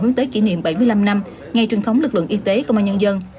hướng tới kỷ niệm bảy mươi năm năm ngay truyền thống lực lượng y tế không ai nhân dân